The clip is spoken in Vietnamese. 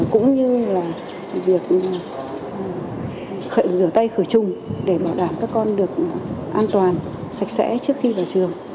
cũng như là việc rửa tay khử trùng để bảo đảm các con được an toàn sạch sẽ trước khi vào trường